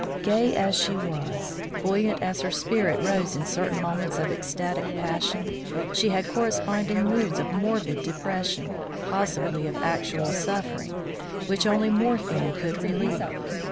Gay as she was, buoyant as her spirit rose in certain moments of ecstatic passion, she had corresponding moods of morbid depression, possibly of actual suffering, which only morphine could relieve.